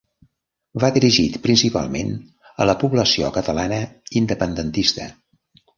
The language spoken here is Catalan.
Va dirigit principalment a la població catalana independentista.